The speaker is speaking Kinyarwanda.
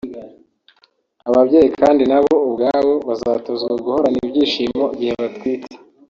Ababyeyi kandi nabo ubwabo bazatozwa guhorana ibyishimo igihe batwite